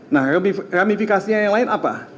nah ramifikasinya yang lain apa